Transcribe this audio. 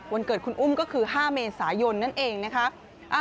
วันเกิดคุณอุ้มก็คือ๕เมษายนนั่นเองนะคะ